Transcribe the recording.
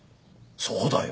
そうだよ。